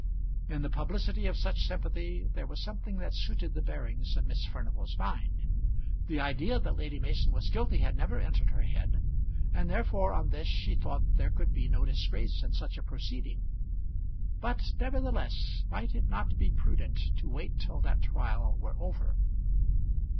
In the publicity of such sympathy there was something that suited the bearings of Miss Furnival's mind, The idea that Lady Mason was guilty had never entered her head, and therefore, on this she thought there could be no disgrace in such a proceeding. But nevertheless might it not be prudent to wait till that trial were over?